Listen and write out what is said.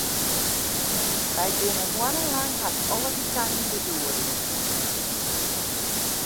Wy binne moannen lang hast alle wykeinen de doar út.